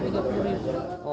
oh dikasih uang